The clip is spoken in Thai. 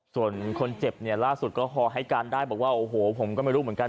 ส่วนคนเจ็บเนี่ยล่าสุดก็พอให้การได้บอกว่าโอ้โหผมก็ไม่รู้เหมือนกัน